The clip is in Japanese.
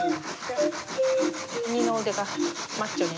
二の腕がマッチョになる。